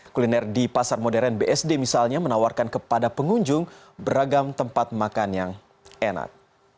kuliner di pasar modern bsd misalnya menawarkan kepada pengunjung beragam tempat makan yang enak